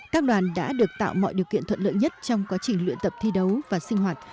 các đoàn đã được tạo mọi điều kiện thuận lợi nhất trong quá trình luyện tập thi đấu và sinh hoạt